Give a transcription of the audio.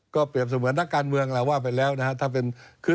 เปรียบเสมือนนักการเมืองแหละว่าไปแล้วนะครับ